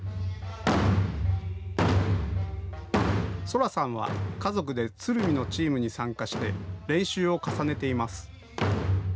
青空さんは家族で鶴見のチームに参加して練習を重ねています。